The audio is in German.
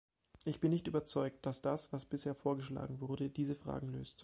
Ich bin nicht überzeugt, dass das, was bisher vorgeschlagen wurde, diese Fragen löst.